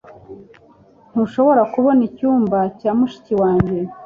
Ntushobora kubona icyumba cya mushiki wanjye?